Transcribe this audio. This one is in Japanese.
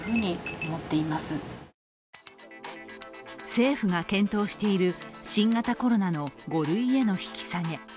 政府が検討している新型コロナの５類への引き下げ。